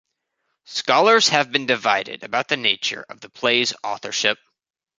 Scholars have been divided about the nature of the play's authorship.